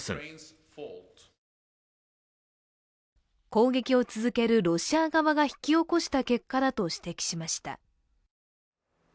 攻撃を続けるロシア側が引き起こした結果だと指摘しました。